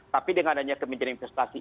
tapi dengan adanya kementerian investasi